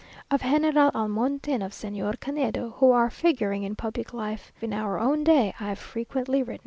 Of General Almonte and of Señor Canedo, who are figuring in public life in our own day, I have frequently written.